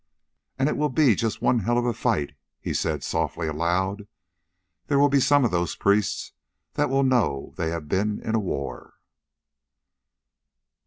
"And it will be just one hell of a fight," he said softly aloud. "There will be some of those priests that will know they have been in a war."